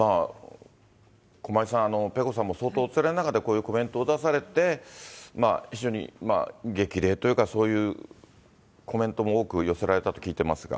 駒井さん、ペコさんも相当おつらい中で、こういうコメントを出されて、非常に激励というか、そういうコメントも多く寄せられたと聞いていますが。